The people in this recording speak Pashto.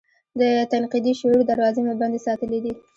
د تنقیدي شعور دراوزې مو بندې ساتلي دي.